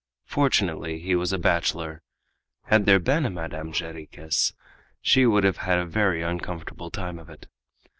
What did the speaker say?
Fortunately he was a bachelor; had there been a Madame Jarriquez she would have had a very uncomfortable time of it.